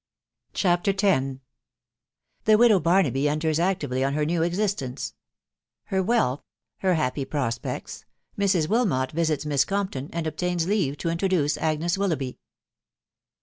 CHAPTER X. THE WIDOW BARNABY ENTERS ACTIVELY OK HER NEW EXISTENCE. — HER WEALTH. HER HAPFY PROSPECTS. MRS. WILMOT VISITS MISS COMPTON, AND OBTAINS LEAVE TO INTRODUCE AGNES WILLOUGHBY.